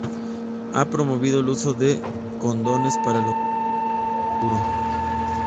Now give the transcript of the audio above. Ha promovido el uso de condones para las escenas de sexo duro.